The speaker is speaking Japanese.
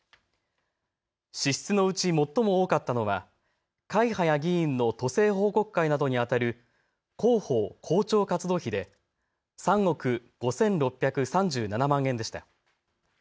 支出のうち最も多かったのは会派や議員の都政報告会などに充てる広報・広聴活動費で３億５６３７万円でした。